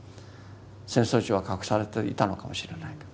戦争中は隠されていたのかもしれないけど。